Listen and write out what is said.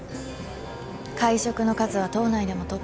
会食の数は党内でもトップ。